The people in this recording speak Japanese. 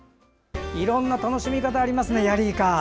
いろんな楽しみ方がありますね、ヤリイカ。